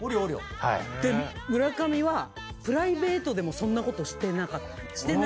村上は「プライベートでもそんなことしてない」って言って。